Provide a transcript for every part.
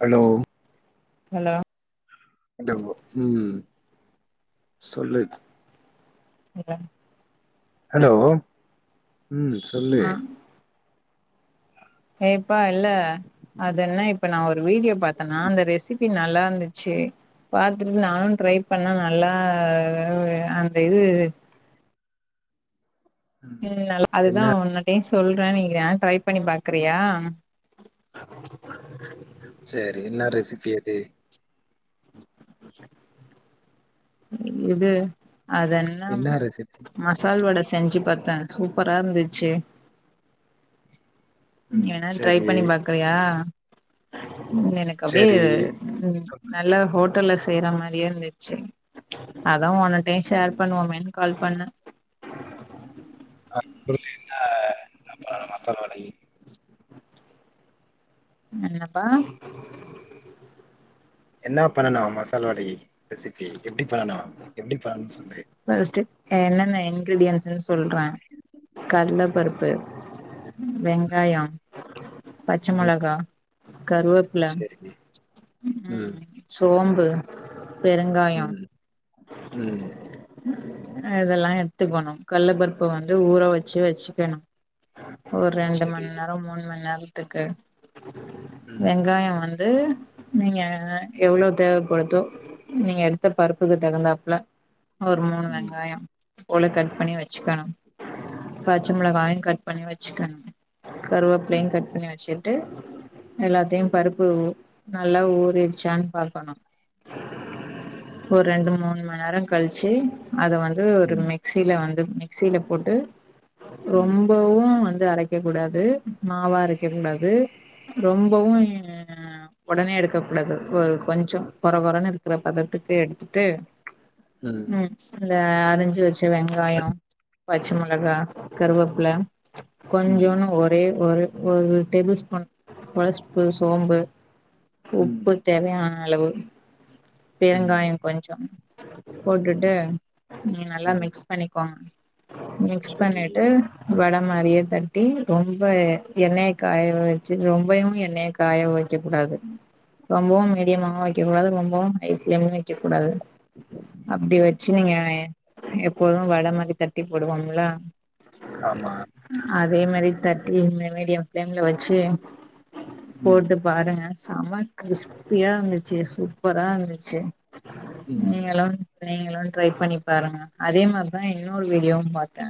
Hello hello [unintelligible] உம் சொல்லு [unintelligible] hello உம் சொல்லு கேப்பா இல்ல அது என்ன இப்ப நா ஒரு ந்த வீடியோ பாத்தன்னா அந்த ரெசிப் பி நல்லாருந்துச்சு பாத்துட்டு நானூ ட்ரை பண்ணே நல்லா அ அந்த இது ம் நல் அதுதா என்ன உன்னடய் சொல் ற நீங்கவேண்ணா ட்ரை பண்ணி பாக்குறியா ம் இது அதென்னம் என்ன ரெசிபி மசால் வட ஸ் செஞ்சு பாத்தே சூப்பராருந்துச்சு நீ ம் வேணா அத ட்ரை சரி பண்ணி பாக்றியா ம் எனக்கப்டியே சரி ம் நல்லா ஹோட் ஹோட்டல்ல செய்ற மாரியேருந்துச்சு அதா ஒனக் பே ஷேர் ம் பண்ணுவோமேன் கால் பண்ணு ஆ [inaudible] ஆ அப்றோ மசால் வடை என்னப்பா என்ன பண்ணன்னு மசால் வடக்கி ரெசிபி எப்டி பண்ணனு எப்டி பண்ணணுன்னு சொல்லு ஃபஸ்ட்டு அ என்னன்ன இன் க்ரிடியன்ஸ்னு சொல்றே கடல ம் பருப்பு வெங்காயோ பச்ச ம் மொளகா கருவேப்ல சரி ம் சோம்ப் பு ம் ம் அ இதல்லா எடுத்துக்கோணு கல்ல பருப்ப வந்து ஊற வச்சு வெச்சிக்கணு ஒரு ரெண்டு சரி மண் நேரோ மூணு மண் நேரோ த்துக்கு ம் வெங்காயோ வந் து நீங்க எவ்ளோ தேவப்படுதோ நீங்க எடுத்த பருப்புக்கு தகுந்தாப்புல ஒரு மூணு ம் வெங்காயோ [unintelligible] கட் பண்ணி வச்சுக்கணு பச்ச மிளகாயு கட் பண்ணி வெச்சுக்கணு கருவேப்பிலையு ம் கட் பண்ணி வெச்சுக் ட்டு எல்லாத்தையும் ம் பருப்பு நல்லா ஊறிர்ச்சான்னு பாக்கணு ஒரு ரெண்டு மூணு மணி நேரோ கழிச்சி அத வந்து ஒரு ம் மிக்ஸில வந்து மிக்சில போட்டு ம் ம் ரொம்பவூ வந். இது அரைக்க கூடாது மாவா அரைக்க கூடாது ரொம்பவும் உடனே எடுக்க கூடாது ஒரு கொஞ்சோ கொரகொரன்னு இருக்ற பதத்துக்கு எடுத்துட்டு. உம் அந்த அஞ்சு வர்ஷ். ச்ச வெங்காயோ. பச்ச மெளகா கருவப்பில. கொஞ்சோனு ஒரே ஒரு ஒரு டேபிள் ஸ்பூன் வஸ்பூ சோம்பு ம் உப்பு தேவயான அளவு ம் பெருங்காயம் கொஞ்சம் ம் போட்டுட்டு ம் ம் நல்லா மிக்ஸ் பண்ணிக்கோங்க மிக்ஸ் சரி, பண்ணிட்டு வட மாரியே தட்டி ரொம்ப எண்ணெய காய வச்சு ரொம்பயூ எண்ணெய காயவைக்க கூடாது ரொம்பவூ மீடியமாவு வை கிதுவாது ரொம்பவூ ஹை ஃபிளேம்ல வைக்ககூடாது அப்டி சரி. வச்சினிங்ஙாயன் எப்போதூ வட மாரி தட்டி போடுவோம்லா ஆமா அதே மாரி தட்டி மீடியம் ப்ளேம்ல வச்சு ம். போட்டு பாருங்க சம கிரிஸ்பியா வந்திச்சி சூப்பரா வந்தச்சு ம். நீயெல்லான் நீங்களூ ட்ரை பண்ணி பாருங்க அதே மாரிதா இன்னொரு வீடியோவூ பாத்தே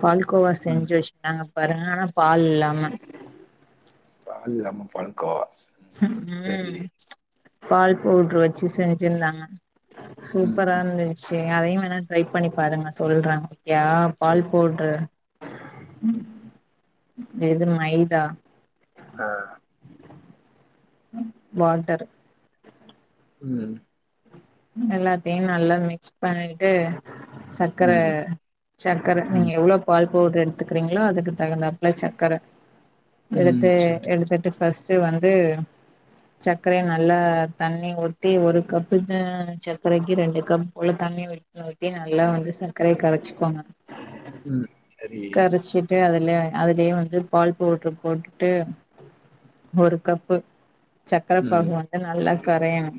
பால்கோவா ம். செஞ்சு வச்டேம் பரனானா பால் இல்லாம பாலில்லாம பால்கோ உம் செரி ம் பால் பவுட்ரு வச்சு செஞ்சிருந்தாங்க ம், சூப்பரா ம். இருந்திச் செரி அதையூ வேணா ட்ரை பண்ணி பாருங்க சொல்ற ஏ பால் சரி. பவ்ட்ரு ம் இது மைதா ஆ வாட்டரு ம் எல்லாத் தையும் நல்லா மிக்ஸ் பண்ணி அ சர்க்கர ம். சர்க்கர நீங்க ம். எவ்ளோ பால் போட்ரு எடுத்துக்குறீங்ளா அதுக்கு தகுந்தாப்ல சக்கர ம். எடுத்து சரி. எடுத்துட்டு ஃப்ஸ் சு வந்து சக்கரைய நல்லா தண்ணி ஊத்தி ஒரு கப்பு னு சக்கரைக்கி ரெண்டு கப் போல தண்ணி [unintelligible] நல்லா வந்து சக்கரைய கரச்சிக்கோங்க ம் சரி ல்லே அதுலே வந்து பால் பவுட்ரு போட்டுட்டு ஒரு கப்பு சக்கர ம். பாகு வந்து நல்லா கரையனும்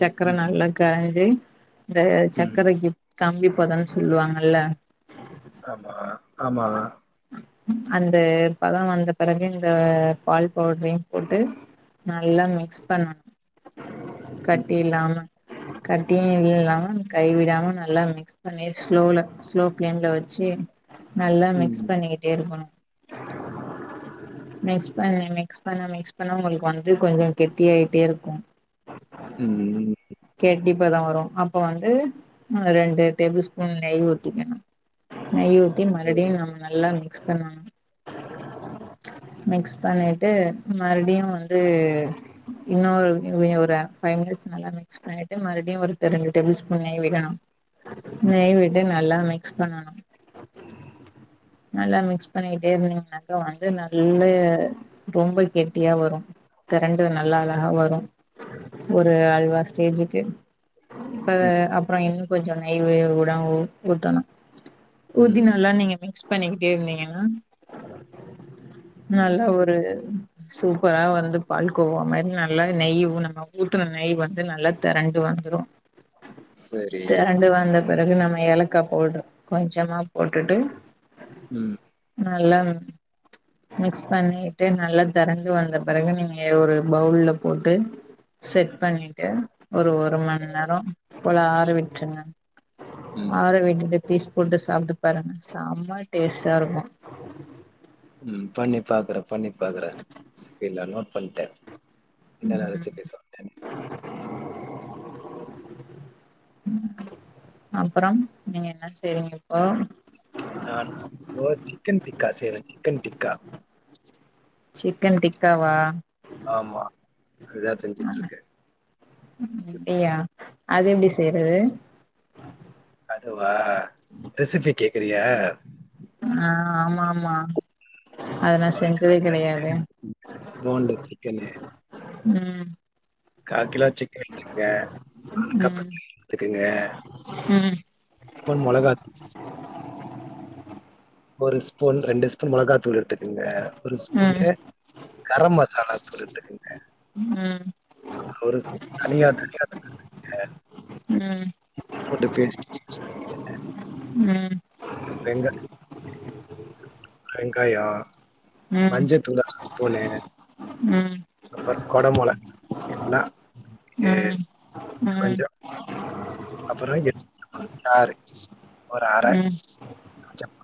க்கரை ம். நல்லா கரஞ்சி இந்த ம். சக்கரக்கி கம்பி இப்பதான் சொல்லுவாங்கல்ல ஆமா, ஆமா. அந்த பதோ வந்த பெறகு இந்த பால் பவுட்ரையு போட்டு நல்லா மிக்ஸ் பண்ணனும் ம். கட்டி இல்லாம் [unintelligible] கட்டியு இல்லாம கைவிடாம நல்லா மிக்ஸ் பண்ணி ஸ்லோல ஸ்லோ ஃபிளேம்ல வச்சு நல்லா மிக்ஸ் ம். பண்ணிக்கிட்டே இருக்கணும் மிக்ஸ் பண்ணி மிக்ஸ் பண்ண மிக்ஸ் பண்ண உங்களுக்கு வந்து கொஞ்சம் கெட்டியாயிட்டே இருக்கும் ம் கெட்டிப்பதோ வரூ அப்போ வந்து அ ரெண்டு டேபிள் ஸ்பூன் நெய் ஊத்திக்கிணும் நெய் ஊத்தி சரி. மறுபுடியு நம் நல்லா மி க்ஸ் பண்ணுவாங்க ம். மிக்ஸ் பண்ணிட் ட்டு மறுப்டியு வந்து இன்னொரு [unintelligible] ஃபை மினிட்ஸ் நல்லா மிக் க்ஸ் பண்ணிட்டு மறுபுடியு ஒரு டே ரெண்டு டேபிள் ஸ்பூன் நெய் விடணும் ம். நெய் விடு நல் ல்லா மிக்ஸ் பண்ணணும் நல்லா மிக்ஸ் பண்ணிட்டே இருந்தீங்னாக்கா வந்து நல்ல ரொம்ப கெட்டியா வரூ திரண்டு நல்லா அழகா வரூ ஒரு அல்வா ஸ் ஸ்டேஜுக்கு ப்ப ம். அப்புறோ என் கொஞ்சோ நெய் [unintelligible] ஊத்தணும் ஊதி ம். நல்லா நீங்க மி மிஸ் பண்ணிக்கிட்டே இருந்தீங்கனா நல்லா ம். ஒரு சூப்பரா வந்து பால் கோவா மாரி நல்லா நெய்யு நம்ம ஊத்துன நெய் வந் து நல்லா தெரண்டு வந்துரு சரி. தெரண்டு வந்த பெறகு நம்ம ஏலக்கா பௌட்ரு கொஞ்சமா போட்டுட்டு உம் நல்லா ம் மிக்ஸ் பண்ணிட்டு நல்லா தெறண்டு வந்த பெறகு நீங்க எ ஒரு பவுல்ல போட்டு செட் பண்ணி ஒரு ஒரு மண் நேர போல ஆரவிட்ருங்க ம். ஆரவிட்டுட்டு பீஸ் போட்டு சாப்ட்டு பாருங்க செம்ம டேஸ்ட்டா இருக்கு உம் பண்ணி பாக்குறே பண்ணி பாக்குறே ஸ் இதுல நோட் பண்ட்டே [unintelligible] சாப்ட்டே அப்றம் நீங்க என்ன செய்றீங்க இப்போ நான் இப்போ சிக்கன் டிக்கா செய்றே சிக்கன் டிக்கா சிக்கன் டிக்காவா ஆமா அதுதா செஞ்சுட்ருக்கே உம் ய்யா அது எப்டி செய்றது அதுவா ரெசிபி கேக்குறியா ஆஹ் ஆமா ஆமா அத நா செஞ்சதே கெடையாது ஃபோன்ல சிக்கனு உம் கால் கிலோ சிக்கன் [inaudible] குங்க அதுக்கப்ற ம் நெய் எடுத்துக்குங்க ம் ஒன் மொளகா ஒரு ஸ்பூன் ரெண்டு ஸ்பூன் மொளகா தூள் எடுத்துக்குங்க ஒரு ம் ஸ்பூனு ம் கரம் மசாலா தூள் எடுத்துக்குங்க ம் அப்ற ஒரு ஸ்பூன் தனியா தனியா தூள் எடுத்துக்குங்க ம் ம் இஞ்சி பூண்டு பேஸ்ட் [unintelligible] ம் ப்பெங்க வெங்காயோ ம் ம் ம் மஞ்ச தூங் தூணு ம் ம் ம் ம் ம் ம் அப்புறோ கொடமொள எல்லா ம் ம் ம் ம் கொஞ்ச அப்பற எட் யாரு ஒரு அர செப்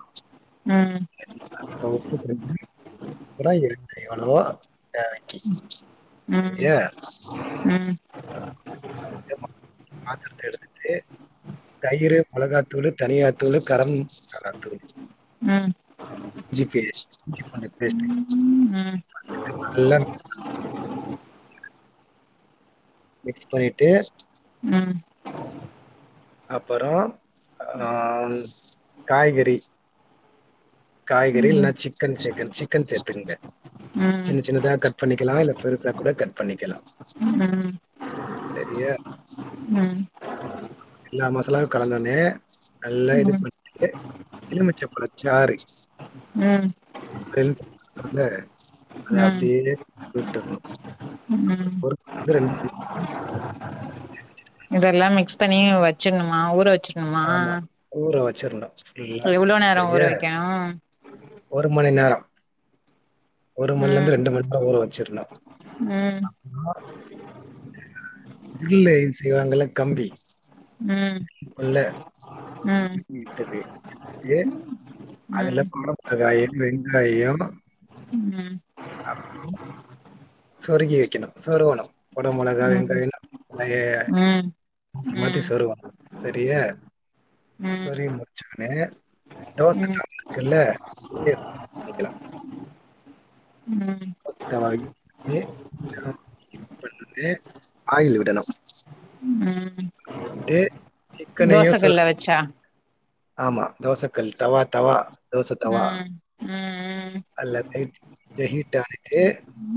[unintelligible] அப்ப ஒப்புகுடுங்க [unintelligible] எவ்லோ உம் உம் [unintelligible] பாத்தரத்த எடுத்துட்டு தயிரு மொளகாத் தூளு தனியா தூளு கரம்த் [unintelligible] தூளு ம் பூண்டு பேஸ்ட் உம்ம் நல்லா மிக்ஸ் பண்ணிட்டு உம் அப்பற அஹ் காய்கறி காய்கறி இல்ன்னா சிக்கன் சேர்க்கன் சிக்கன் சே்த்துங்க சின்ன சின்னதா கட் பண்ணிக்கலா இல்ல பெருசா கூட கட் பண்ணிக்கலா சரியா எல்லா மசாலாவு கலந்துண்ணே நல்லா இது பண்ணிட்டு எலுமிச்சப்பளச்சாறு எலு [unintelligible] அதை ம் ம் அப்படியே விட்டுணு ஒரு ரெண்டு இதெல்லா மிக்ஸ் பண்ணி வச்சிணுமா ஊற வச்சு ஆமா ஊரவச் சரின்னா இல்ல எவ்ளோ நேரோ ஊற சரியா வைக்கணு ஒரு மணி நேர ஒரு மணிலருந்து ம் ரெண்டு மன்னேறோ ஊரு அது சரின்னா ம் அப்புனா க்ரில்லா செய்வாங்கல்ல கம்பி ம் உள்ள கம்பி ம் இருக்குது ட்டு அதுல ம் [unintelligible] வெங்காயம் ம் ம் அப் சொருகி வைக்கணு சொருவனு கொடமொழகா ம் வெங்கடயெல்லா பழைய ம் மாத்தி மாத்தி சொருவணு சரியே ம் சொருவி முடிச்சுன்னே ம் தோசக்கல்லு இருக்குள்ள இங்க வைக்கலா ம் [unintelligible] இப்பைலந்தே ஆயில் விடணு கொஞ்ஜொ விட்டு சிக்கனையும் சொ தோசைக்கல்ல வச்சா ஆமா தோசைக்கல் தவா தவா தோசை தவா ம் ம் அத்ல ஹிட் ஹீட் ஆயிட்டு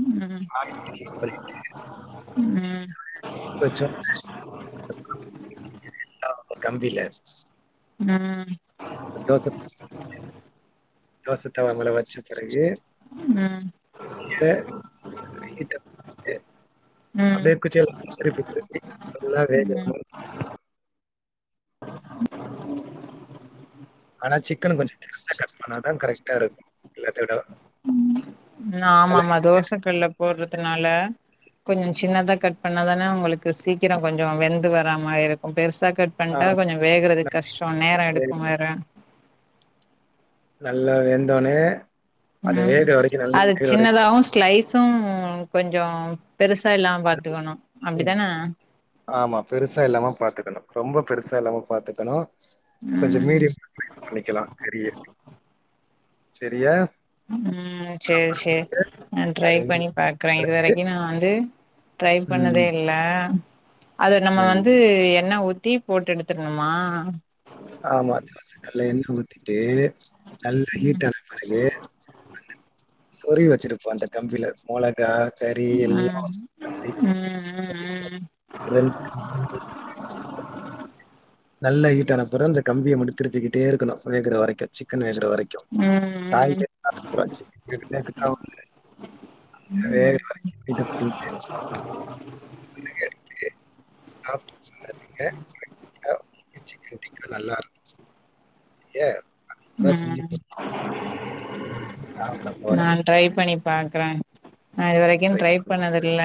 ம் ம் அல்லது ஹீட் பண்ணிட்டு ம் கொஞ்சொண்டு [inaudible] ஹ கம்பில ம் தோச தோசை தவாமேல வெச்சபிறகு ம் நீங்க ஹீட்டப் பண்ணிட்டு ம் அப்டியே குச்சியால திருப்பி திருப்பி வேக விடனு ஆனா சிக்கன கொஞ்ச சின்னதா கட் பண்ணாதா கரெக்டா இருக்கும் எல்லாத்த வி ஆமா ஆமா தோசை கல்ல போட்ற னால கொஞ்ச சின்னதா கட் பண்ணாதான உங்களுக்கு சீக்கிர கொஞ்ச வெந்து வரா மார இருக்கு பெருசா கட் பண்ட்டா ஆமா கொஞ்ச வேகறது கஷ்டம் நேரம் எடுக்கு வேற நல்ல வெந்தொனே உம் அது சின்னதாவு ஸ்லைஸ் கும் கொஞ்ச பெருசா இல்லாம பாத்துக்கணு அப்டித்தான ஆமா. பெருசா இல்லாம பாத்துக்கணும். ரொம்ப பெருசா இல்லாம பாத்துக்கணு கொஞ்ச ம் மீடியமா ஸ்லைஸ் பண்ணிக்கலா கரிய எடுத்து செரியா உம் சேரி சேர் நா ட்ரை அது பண்ணி பாக்குறே இதுவரைக்கு நா வந்து ட்ரை ம். பண்ணதே இல்ல அது நம்ம வந்து ம். என்ன ஊத் டீ போட்டு எத்துரணுமா ஆமா [unintelligible] கல்ல என்ன ஊத்திட்டு நல்லா ஹீட்டான பிறகு சொறிவு வச்சிருப்போ அந்த கம்பில மொளகா கறி எல்லா ம் தி ம் ரெண் நல்லா ஹீட்டான அப்பற இந்த கம்பிய மட்டு திருப்பிக்கிட்டே இருக்கணு வேகற வரை சிக்கன் வேகுற வரைக்கும் ம் காய் ம் ம் [unintelligible] சிக்கன் டிக்கா நல்லா இருக்கு ஏ உம் சாப்பிட நா போறேன் ட்ரை பண்ணி பாக்குற நா இது வரைக்கு ட்ரை பண்ணி பண்ணி. பண்ணதுல்ல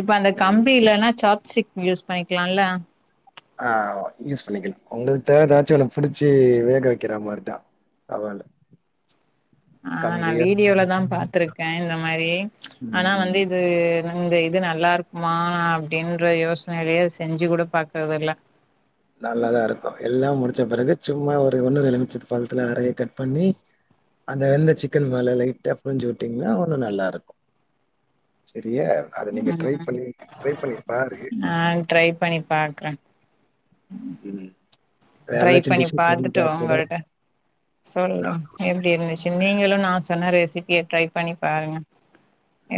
இப்ப அந்த ம் கம்பி இல்லன்னா சாப்ஸ்டிக் யூஸ் பண்ணிக்கலால்ல ஆஹ் யூஸ் பண்ணிக்கலா உங்களுக்கு தேவ எதாச்சு ஒன்னு புடிச்சு வேக வக்கிற மாரிதான் அவள ஆஹ் நா வீடியோலதா பாத்துருக்க இந்த மாரி ஆனா வந்து ம், இது இந்த இது நல்லா இருக்குமா அப்டின்ற யோசனைலே செஞ்சு கூட பாக்குறதுல்ல நல்லாதா இருக்கு எல்லா முடிச்ச பிறகு சும்மா ஒரு ஒண்ணு ரெ எலுமிச்ச பலத்துல அறைய கட் பண்ணி அந்த வெந்த சிக்கன் மேல லைட்டா புழிஞ்சி உட்டீங்கன்னா ஒன்னு நல்லா இருக்கு சரி ம் பண்ணி பாரு நா ட்ரை பண்ணி பாக்ற உம் ட்ரை பண்ணி பாத்துட்டு உங்கள்ட்ட சொல்ற நான் எப்படி இருந்துச்சு நீங்களு நா சொன்ன ரெசிப்பிய ட்ரை பண்ணி பாருங்க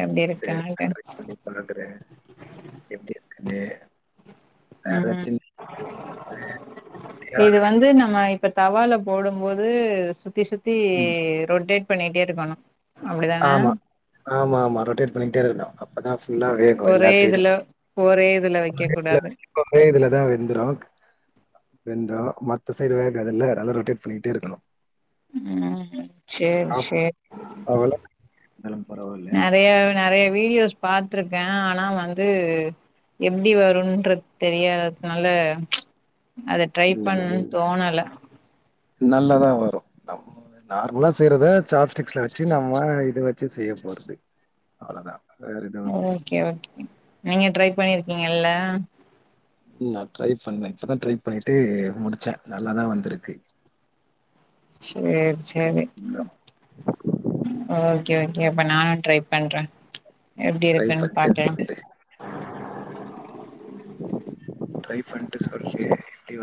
ம், எப்டி சரி இருக்கனுண்டு ட்ரை பண்ணி னு உம் இது ஏதாச்சும் வந்து நம்ம இப்ப தவால போடும்போது சு சுத்தி சுத்தி ரொட்டேட் பண்ணிட்டே இருக்கணு அப்படிதான ஆமாமாம ரொட்டேட் பண்ணிகிட்டே இருக்கனு அப்பதா நல்லா வேகும் எல்லா ஒரே இதுல சைடும் ஒரே இதுல வைக்க கூடாது [inaudible] இதுலதா வெந்துரு வெந்த மத்த சைடு வேகாது இல்ல நல்லா ரொட்டேட் பண்ணிட்டே இருக்கணு உம் சே சேரி இருந்தாலு பரவால்ல நறையா வீடியோஸ் பாத்துருக்க ஆனா வந்து எப்டி வரும்ன்ருத் தெரியாத்னால அத ட்ரை பண்ணும்னு தோணல நல்லாதான் வரும் நம்ம நார்மலா செய்றத பிளிஸ்டிக்ஸ்ல வச்சு நம்ம இது வச் ச்சு செய்ய போறது அவ்வளதா ஓகே ஓகே நீங்க ட்ரை பண்ணிருக்கீங்கல்ல நா ட்ரை பண்ணே இப்பதா ட்ரை பண்ணிட்டு முடிச்சே நல்லாதான் வந்திருக்கு சேரி சேரி ஓகே ஓகே ஏப்ப நானு ட்ரை பண்றே எப்படி ட்ரை இருக்குன்னு பண்ணிட்டு பாக்கலா சொல்லு. ட்ரைப் பண்ட்டு சொல்லு எப்படி வரு